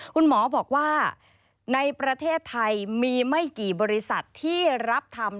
คุณหมอบอกว่าในประเทศไทยมีไม่กี่บริษัทที่รับทำ